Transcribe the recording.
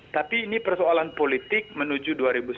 tapi ini persoalan politik menuju dua ribu sembilan belas